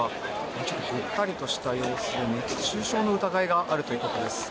ちょっとぐったりとした様子で熱中症の疑いがあるということです。